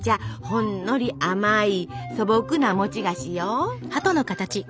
ほんのり甘い素朴な餅菓子よ。